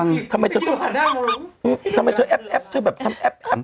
เนี่ยทำเป็นแอ๊บเธอแบบทำแอ๊บ